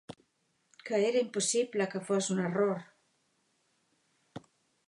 Que era impossible que fos un error!